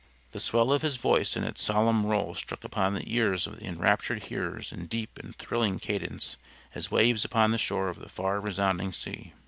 The swell of his voice and its solemn roll struck upon the ears of the enraptured hearers in deep and thrilling cadence as waves upon the shore of the far resounding sea.